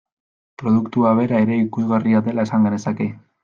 Produktua bera ere ikusgarria dela esan genezake.